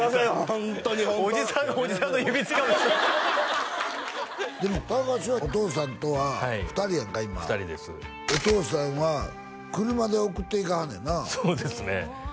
ホントにおじさんがおじさんの指つかむでも隆はお父さんとは２人やんか今２人ですお父さんは車で送っていかはんねんなそうですね